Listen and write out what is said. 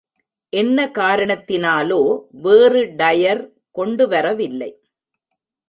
என்ன காரணத்தினாலோ, வேறு டயர் கொண்டுவரவில்லை!